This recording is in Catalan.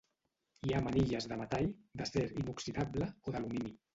Hi ha manilles de metall, d'acer inoxidable o d'alumini.